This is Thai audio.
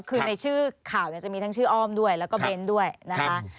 คือในชื่อข่าวจะมีทั้งชื่ออ้อมด้วยแล้วก็เบ้นด้วยนะคะ